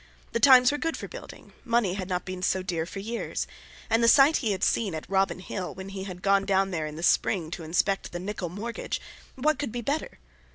The times were good for building, money had not been so dear for years; and the site he had seen at Robin Hill, when he had gone down there in the spring to inspect the Nicholl mortgage—what could be better!